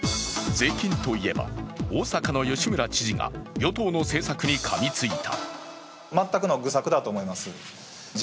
税金といえば、大阪の吉村知事が与党の政策にかみついた。